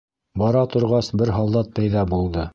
Бара торғас, бер һалдат пәйҙә булды.